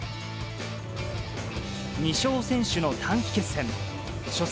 ２勝先取の短期決戦。